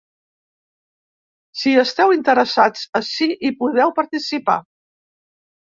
Si hi esteu interessats, ací hi podeu participar.